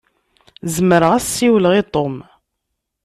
Zemreɣ ad as-siwleɣ i Tom.